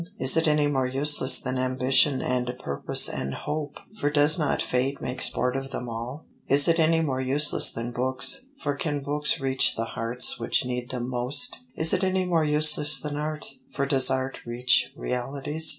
Is it any more useless than ambition and purpose and hope for does not fate make sport of them all? Is it any more useless than books for can books reach the hearts which need them most? Is it any more useless than art for does art reach realities?